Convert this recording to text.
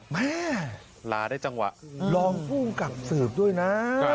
แม่ลาได้จังหวะรองภูมิกับสืบด้วยนะ